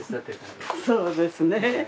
そうですね。